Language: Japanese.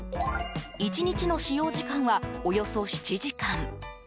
１日の使用時間はおよそ７時間。